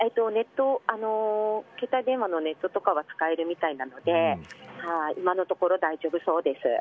携帯電話のネットとかは使えるみたいなので今のところ大丈夫そうです。